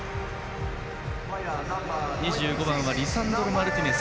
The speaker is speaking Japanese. ２５番はリサンドロ・マルティネス。